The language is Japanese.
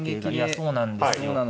そうなんですよ。